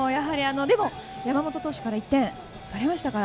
でも山本投手から１点取れましたから。